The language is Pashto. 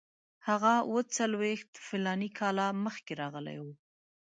هغه اوه څلوېښت فلاني کاله مخکې راغلی وو.